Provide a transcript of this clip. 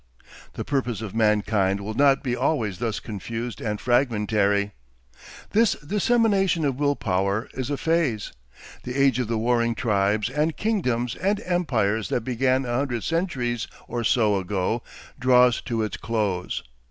The purpose of mankind will not be always thus confused and fragmentary. This dissemination of will power is a phase. The age of the warring tribes and kingdoms and empires that began a hundred centuries or so ago, draws to its close.